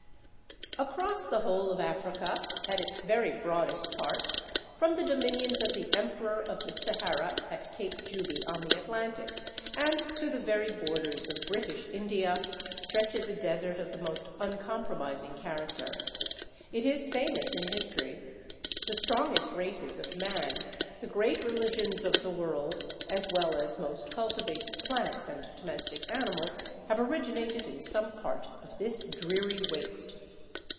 Across the whole of Africa, at its very broadest part, from the dominions of the Emperor of the Sahara at Cape Juby on the Atlantic, and to the very borders of British India, stretches a desert of the most uncompromising character. It is famous in history: the strongest races of man, the great religions of the world, as well as most cultivated plants and domestic animals, have originated in some part of this dreary waste.